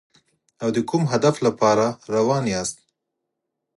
او د کوم هدف لپاره روان یاست.